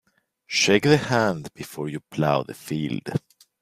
Shake the hand before you plough the field.